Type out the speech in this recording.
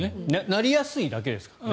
なりやすいだけですからね。